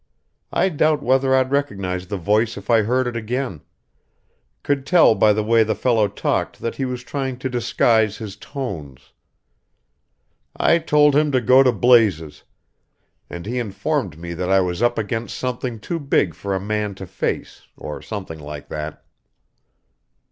I doubt whether I'd recognize the voice if I heard it again could tell by the way the fellow talked that he was trying to disguise his tones. I told him to go to blazes, and he informed me that I was up against something too big for a man to face, or something like that."